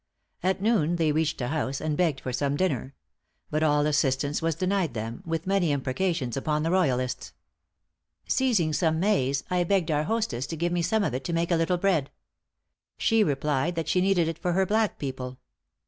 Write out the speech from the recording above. At noon they reached a house, and begged for some dinner; but all assistance was denied them, with many imprecations upon the royalists. "Seizing some maize, I begged our hostess to give me some of it to make a little bread. She replied that she needed it for her black people.